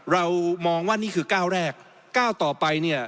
เรามองว่านี่คือก้าวแรกก้าวต่อไปเนี่ย